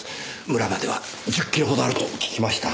村までは１０キロほどあると聞きました。